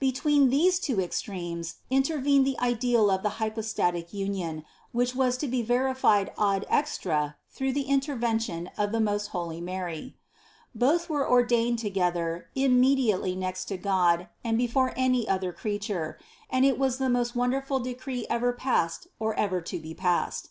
Between these two extremes intervened the ideal of the hypostatic union which was to be verified ad extra through the in tervention of most holy Mary. Both were ordained to gether, immediately next to God and before any other creature, and it was the most wonderful decree ever passed or ever to be passed.